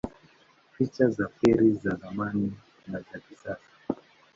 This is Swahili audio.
Picha za feri za zamani na za kisasa